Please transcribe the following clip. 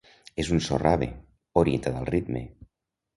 És un so rave, orientat al ritme.